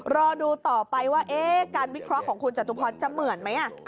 รอดูต่อไปว่าการวิเคราะห์ของคุณจตุพรจะเหมือนไหม